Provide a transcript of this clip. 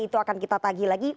itu akan kita tagih lagi